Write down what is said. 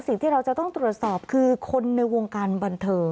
สิ่งที่เราจะต้องตรวจสอบคือคนในวงการบันเทิง